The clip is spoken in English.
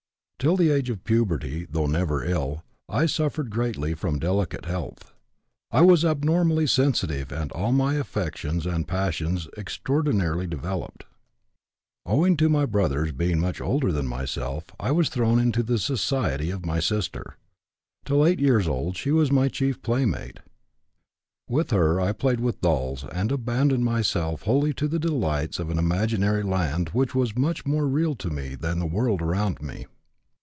Till the age of puberty, though never ill, I suffered greatly from delicate health. I was abnormally sensitive and all my affections and passions extraordinarily developed. Owing to my brothers being much older than myself I was thrown into the society of my sister. Till 8 years old she was my chief playmate. With her I played with dolls and abandoned myself wholly to the delights of an imaginary land which was much more real to me than the world around me.